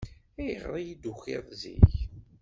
Ayɣer ay d-tukiḍ zik?